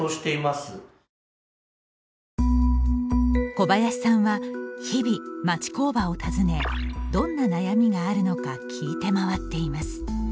小林さんは日々、町工場を訪ねどんな悩みがあるのか聞いて回っています。